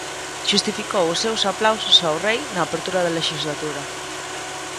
Xustificou os seus aplausos ao Rei na apertura da lexislatura.